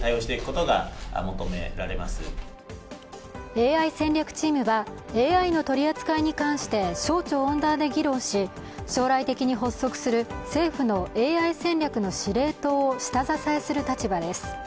ＡＩ戦略チームは、ＡＩの取り扱いに関して省庁横断で議論し将来的に発足する政府のＡＩ戦略の司令塔を下支えする立場です。